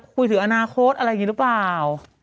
คุยถึงอนาคตอะไรกันหรือเปล่า